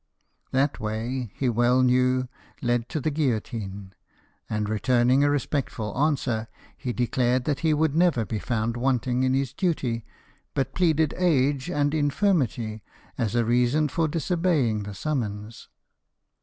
That way, he well knew, led to the guillotine ; and returning a respectful answer, he declared that he would never be found wanting in his duty, but pleaded age and infirmity as a reason for disobeying the summons.